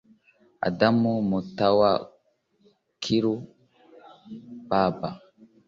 Adam Mutawakilu Baba